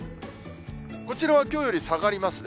こちらはきょうより下がりますね。